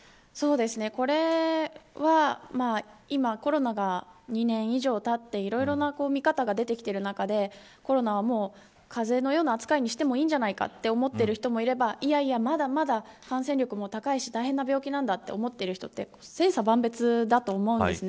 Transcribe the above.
これは今、コロナが２年以上たって、いろいろな見方が出てきている中でコロナはもう風邪のような扱いにしてもいいんじゃないかと思っている人もいればいや、まだまだ感染力も高いし大変な病気なんだと思っている人千差万別だと思うんです。